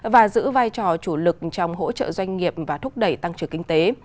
và giữ vai trò chủ lực trong hỗ trợ doanh nghiệp và thúc đẩy tăng trưởng kinh tế